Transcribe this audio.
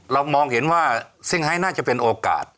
มองเห็นว่าซิ่งไฮน่าจะเป็นโอกาส